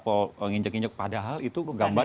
kalau nginjek nginjek padahal itu gambar